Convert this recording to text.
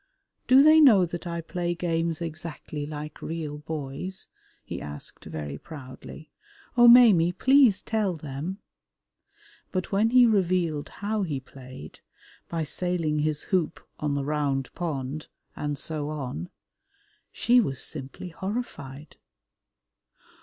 "Do they know that I play games exactly like real boys?" he asked very proudly. "Oh, Maimie, please tell them!" But when he revealed how he played, by sailing his hoop on the Round Pond, and so on, she was simply horrified.